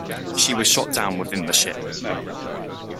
She was shot down within the ship.